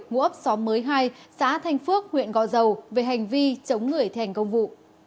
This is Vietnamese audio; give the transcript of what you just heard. ngũ ấp xóm mới hai xã thanh phước huyện gò dầu về hành vi chống người thành công vụ